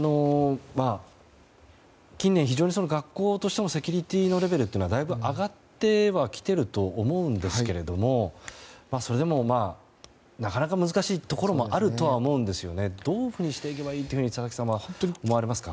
近年、学校としてのセキュリティーレベルも上がっていると思うんですけどもそれでもなかなか難しいところもあると思いますがどういうふうにしていけばいいと佐々木さんは思われますか？